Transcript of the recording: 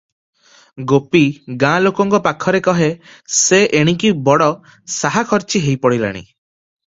ଗୋପୀ ଗାଁ ଲୋକଙ୍କ ପାଖରେ କହେ, ସେ ଏଣିକି ବଡ଼ ସାହାଖର୍ଚ୍ଚୀ ହୋଇପଡ଼ିଲାଣି ।